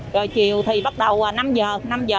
rồi chiều thì bắt đầu năm h năm h thì